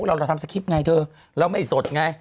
เราทำสคริปต์ไงเธอเราไม่สดไง